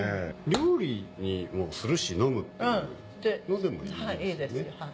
料理にもするし飲むってのでもいいですね。